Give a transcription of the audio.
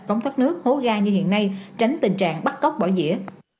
cống thoát nước hố ga như hiện nay tránh tình trạng bắt cóc bỏ dĩa